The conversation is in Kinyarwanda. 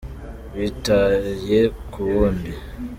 witaye ku wundi